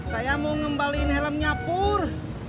saya mau ngembalikan helmnya pur